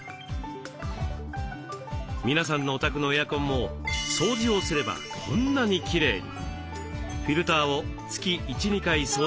皆さんのお宅のエアコンも掃除をすればこんなにきれいに。